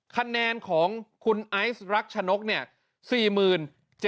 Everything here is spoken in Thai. คะแนนของคุณไอซ์รักชนกเนี่ย